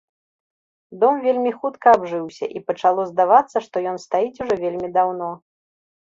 Дом вельмі хутка абжыўся, і пачало здавацца, што ён стаіць ужо вельмі даўно.